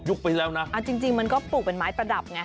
ไปแล้วนะเอาจริงมันก็ปลูกเป็นไม้ประดับไง